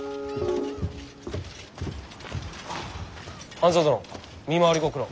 半蔵殿見回りご苦労。